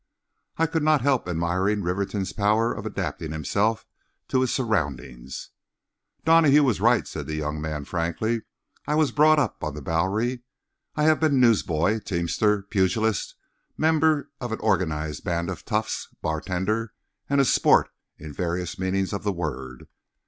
I could not help admiring Rivington's power of adapting himself to his surroundings. "Donahue was right," said the young man, frankly; "I was brought up on the Bowery. I have been news boy, teamster, pugilist, member of an organized band of 'toughs,' bartender, and a 'sport' in various meanings of the word.